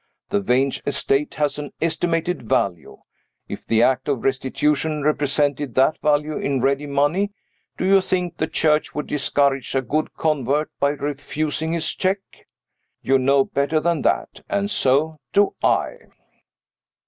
The Vange estate has an estimated value. If the act of restitution represented that value in ready money, do you think the Church would discourage a good convert by refusing his check? You know better than that and so do I.